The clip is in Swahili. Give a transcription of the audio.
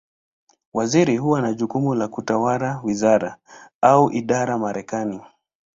Waziri huwa na jukumu la kutawala wizara, au idara Marekani.